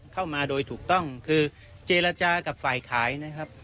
เข้ามาโดยถูกต้องคือเจรจากับฝ่ายขายนะครับ